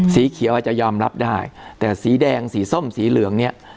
สีเขียวอาจจะยอมรับได้แต่สีแดงสีส้มสีเหลืองเนี่ย